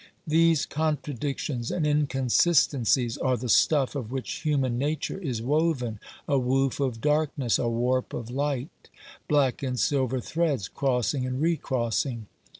These contradictions and incon sistencies are the stuff of which human nature is woven — a woof of darkness, a warp of light — black and silver threads crossing and recrossing.